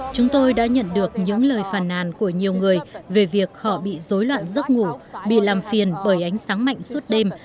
chúng tôi đã nhận được những lời phàn nàn của nhiều người về việc họ bị dối loạn giấc ngủ bị làm phiền bởi ánh sáng mạnh suốt đêm